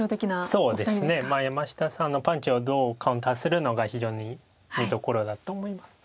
そうですね山下さんのパンチをどうカウンターするのか非常に見どころだと思います。